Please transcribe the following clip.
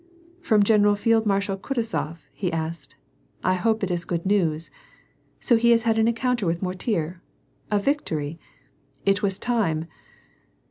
"From General Field Marshal Kutuzof?" he asked, '*I hope it is good news. So he's had an encounter with Mortier ? A victory ? It was time